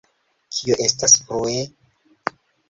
Kio estas »frue«?